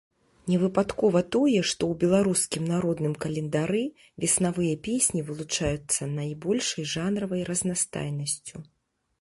Невыпадкова тое, што ў беларускім народным календары веснавыя песні вылучаюцца найбольшай жанравай разнастайнасцю.